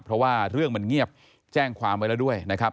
เพราะว่าเรื่องมันเงียบแจ้งความไว้แล้วด้วยนะครับ